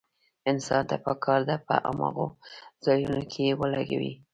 انسان ته پکار ده په هماغو ځايونو کې يې ولګوي.